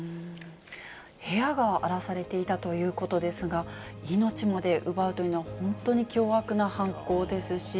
部屋が荒らされていたということですが、命まで奪うというのは本当に凶悪な犯行ですし、